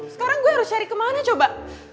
sekarang gue harus cari kemana coba